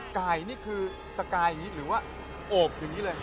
ไก่นี่คือตะกายอย่างนี้หรือว่าโอบอย่างนี้เลย